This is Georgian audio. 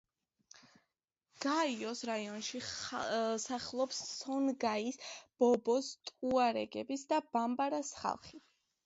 გაოს რეგიონში სახლობს სონგაის, ბობოს, ტუარეგების და ბამბარას ხალხი.